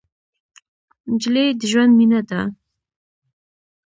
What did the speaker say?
نجلۍ د ژوند مینه ده.